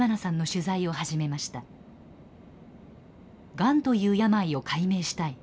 「がんという病を解明したい。